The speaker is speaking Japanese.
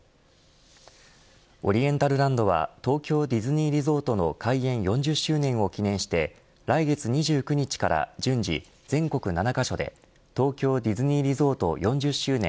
オリエンタルランドは東京ディズニーリゾートの開園４０周年を記念して来月２９日から順次全国７カ所で東京ディズニーリゾート４０周年